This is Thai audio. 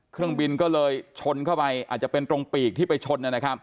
เครื่องบินก็เลยชนเข้าไปอาจจะเป็นตรงปีกที่ไปชน